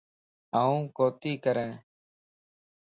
آن ڪوتي ڪرين